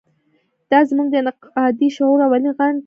دا زموږ د انتقادي شعور اولین خنډ دی.